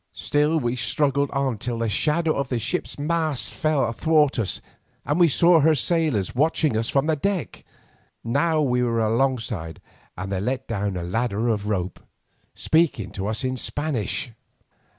Still we struggled on till the shadow of the ship's masts fell athwart us and we saw her sailors watching us from the deck. Now we were alongside and they let down a ladder of rope, speaking to us in Spanish.